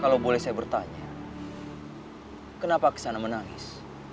kalau boleh saya bertanya kenapa kesana menangis